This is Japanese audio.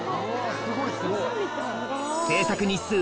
製作日数